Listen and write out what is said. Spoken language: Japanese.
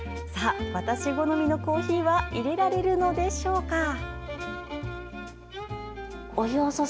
さあ、私好みのコーヒーはいれられるのでしょうか。